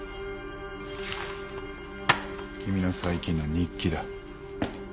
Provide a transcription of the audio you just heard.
君の最近の日記だ。